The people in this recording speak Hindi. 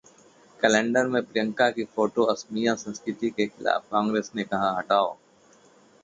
कैलेंडर में प्रियंका की फोटो असमिया संस्कृति के खिलाफ, कांग्रेस ने कहा- हटाओ